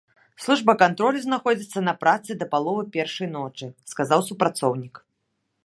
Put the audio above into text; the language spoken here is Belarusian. Служба кантролю знаходзіцца на працы да паловы першай ночы, сказаў супрацоўнік.